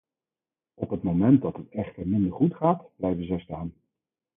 Op het moment dat het echter minder goed gaat, blijven zij staan.